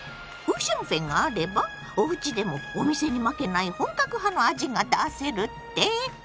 「五香粉があればおうちでもお店に負けない本格派の味が出せる」って⁉